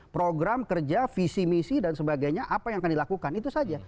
program kerja visi misi dan sebagainya apa yang akan dilakukan itu saja